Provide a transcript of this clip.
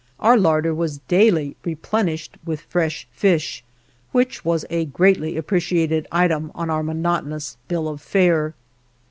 Our larder was daily replenished with fresh fish, which was a greatly appreciated item on our monotonous bill of fare.